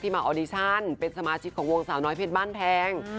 มาออดิชั่นเป็นสมาชิกของวงสาวน้อยเพชรบ้านแพง